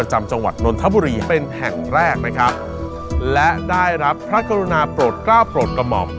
จังหวัดนนทบุรีเป็นแห่งแรกนะครับและได้รับพระกรุณาโปรดกล้าวโปรดกระหม่อม